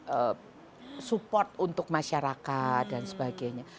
ee support untuk masyarakat dan sebagainya